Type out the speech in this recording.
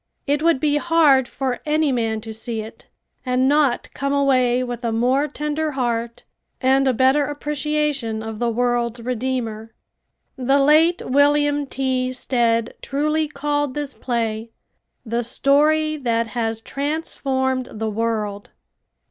It would be hard for any man to see it and not come away with a more tender heart and a better appreciation of the world's Redeemer. The late William T. Stead truly called this play "The Story That Has Transformed the World."